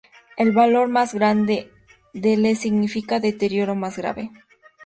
El valor más grande de Ie significa deterioro más grave.